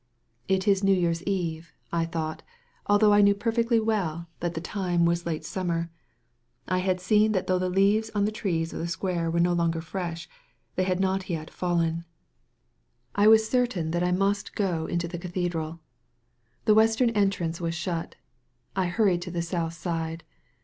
"It is New Yearns Eve,*' I thought— although I knew perfectly well that the time was late sum 7 THE VALLEY OF VISION mer. I had seen that though the leaves on the trees of the square were no longer fresh, they had not yet fallen. I was certain that I must go mto the cathedral. The western entrance was shut. I hurried to the south side.